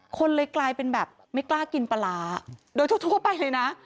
คนเลยกลายเป็นแบบไม่กล้ากินปลาร้าโดยทั่วไปเลยนะ